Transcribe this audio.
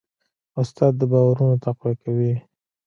استاد د باورونو تقویه کوي.